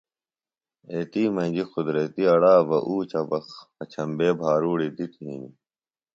ایتی مجیۡ قدرتیۡ اڑا بہ اُوچہ بہ پچھمبے بھاروڑیۡ دِتیۡ ہنی